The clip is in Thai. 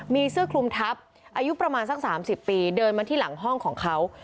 มีเสื้อคลุมทัพอายุประมาณสัก๓๐ปีเดินมาที่หลังห้องของเขา